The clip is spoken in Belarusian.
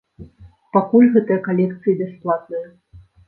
Пакуль гэтыя калекцыі бясплатныя.